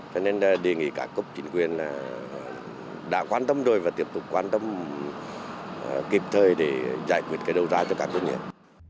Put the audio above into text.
cho nên đề nghị cả cục chính quyền đã quan tâm rồi và tiếp tục quan tâm kịp thời để giải quyết cái đầu ra cho cảng cửa việt